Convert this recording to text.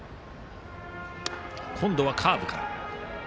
今度はカーブから。